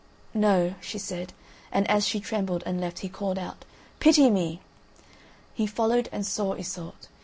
"No," she said, and as she trembled and left he called out: "Pity me!" He followed and saw Iseult.